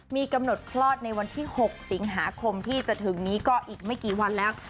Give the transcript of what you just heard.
มีกำหนดคลอดในวันที่๖สิงหาคมที่จะถึงนี้ก็อีกไม่กี่วันแล้ว